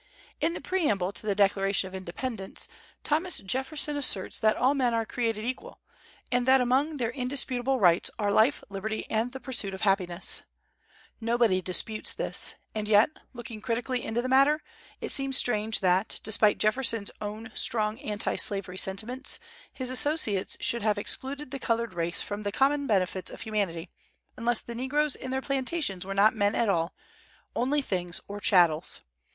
In the preamble to the Declaration of Independence, Thomas Jefferson asserts that "all men are created equal," and that among their indisputable rights are "life, liberty, and the pursuit of happiness." Nobody disputes this; and yet, looking critically into the matter, it seems strange that, despite Jefferson's own strong anti slavery sentiments, his associates should have excluded the colored race from the common benefits of humanity, unless the negroes in their plantations were not men at all, only things or chattels.